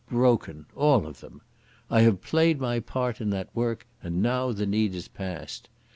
Broken, all of them. I have played my part in that work and now the need is past.